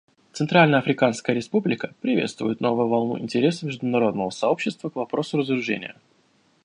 Центральноафриканская Республика приветствует новую волну интереса международного сообщества к вопросу разоружения.